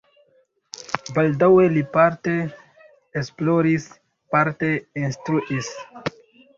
Baldaŭe li parte esploris, parte instruis.